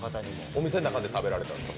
お店の中で食べられたんですか？